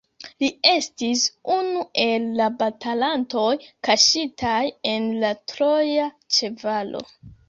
Li estis unu el la batalantoj kaŝitaj en la Troja ĉevalo.